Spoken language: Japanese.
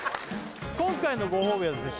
今回のごほうびはですね